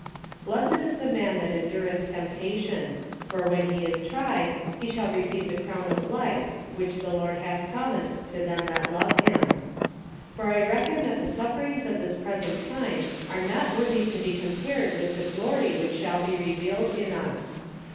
... Blessed is the man that endureth temptation : for when he is tried, he shall receive the crown of life, which the Lord hath promised to them that love him. ... For I reckon that the sufferings of this present time are not worthy to be compared with the glory which shall be revealed in us.